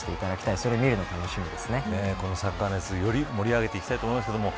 このサッカー熱より盛り上げていきたいですね。